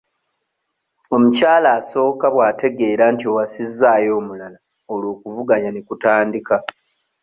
Omukyala asooka bw'ategeera nti owasizzaayo omulala olwo okuvuganya ne kutandika.